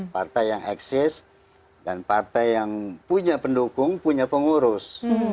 partai yang eksis dan partai yang punya pendukung punya pengurus